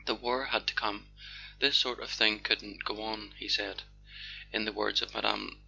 "The war had to come. This sort of thing couldn't go on," he said, in the words of Mme.